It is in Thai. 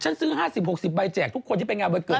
ฉันซื้อ๕๐๖๐ใบแจกทุกคนที่ไปงานบริเวณเกิด